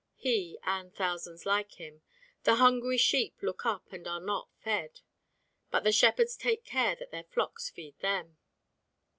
He and thousands like him "the hungry sheep, look up and are not fed"; but the shepherds take care that the flocks feed them.